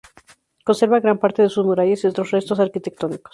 Conserva gran parte de sus murallas y otros restos arquitectónicos.